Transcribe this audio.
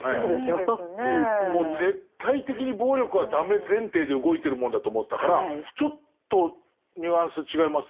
もう絶対的に暴力はダメ前提で動いてるものだと思ってたからちょっとニュアンス違いますもんね。